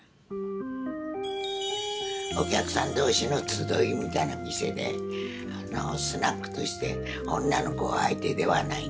お客さん同士の集いみたいな店でスナックとして女の子相手ではないんですよ。